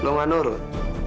lu gak nurut